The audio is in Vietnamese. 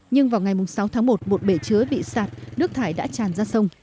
nhưng vào ngày sáu tháng một một bể chứa bị sạt nước thải đã tràn ra sông